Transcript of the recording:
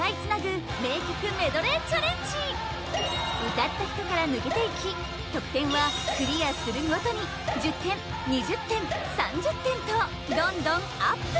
歌った人から抜けていき得点はクリアするごとに１０点２０点３０点とどんどんアップ